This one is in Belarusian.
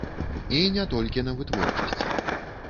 І не толькі на вытворчасці.